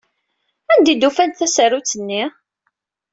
Anda ay d-ufant tasarut-nni?